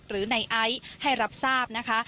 หรือนายไอ้ให้รับทราบนะคะ